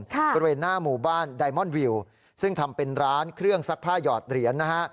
บริเวณหน้าหมู่บ้านไดมอนวิวซึ่งทำเป็นร้านเครื่องซักผ้าหยอดเหรียญนะฮะ